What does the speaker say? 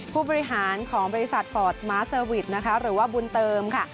ผู้บริหารของบริษัทฟอร์ดสมาร์เซอร์วิสนะคะหรือว่าบุญเติมค่ะ